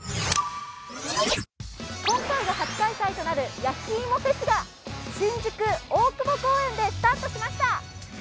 今回が初開催となるやきいもフェスが新宿・大久保公園でスタートしました。